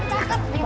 ada apa ini